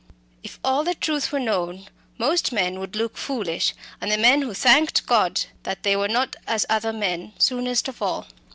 If all the truth were known, most men would look foolish; and the men who thanked God that they were not as other men, soonest of all.